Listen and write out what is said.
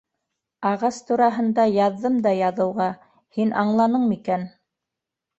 Ағас тураһында яҙҙым да яҙыуға, һин аңланың микән?